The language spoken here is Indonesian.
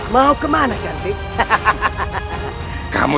baru kita melakukannya